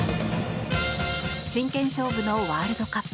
真剣勝負のワールドカップ。